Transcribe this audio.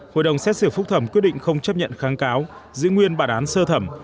hội đồng xét xử phúc thẩm quyết định không chấp nhận kháng cáo giữ nguyên bản án sơ thẩm